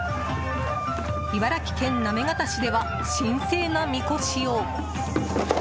茨城県行方市では神聖なみこしを。